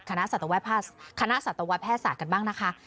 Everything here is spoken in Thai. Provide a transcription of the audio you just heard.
คณะสัตวแพทย์ศาสตร์กันบ้างนะคะ